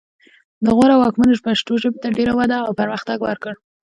د غور واکمنو پښتو ژبې ته ډېره وده او پرمختګ ورکړ